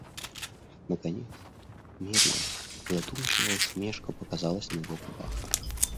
Наконец медленная, задумчивая усмешка показалась на его губах.